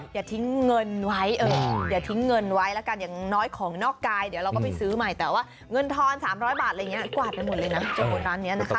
อย่าทิ้งเงินไว้อย่าทิ้งเงินไว้แล้วกันอย่างน้อยของนอกกายเดี๋ยวเราก็ไปซื้อใหม่แต่ว่าเงินทอน๓๐๐บาทอะไรอย่างนี้กวาดไปหมดเลยนะจำนวนร้านนี้นะคะ